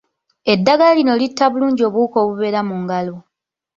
Eddagala lino litta bulungi obuwuka obubeera mu ngalo.